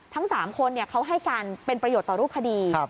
ทั้ง๓คนเขาให้การเป็นประโยชน์ต่อรูปคดี